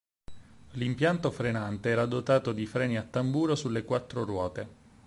L'impianto frenante era dotato di freni a tamburo sulle quattro ruote.